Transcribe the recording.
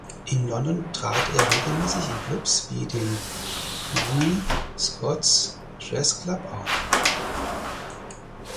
In London trat er regelmäßig in Clubs wie dem Ronnie Scott’s Jazz Club auf.